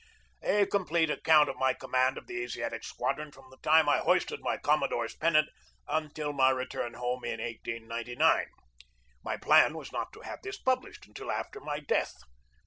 a complete account of my command of the Asiatic Squadron from the time I hoisted my commodore's pennant until my return home in 1899. My plan was not to have this published until after my death.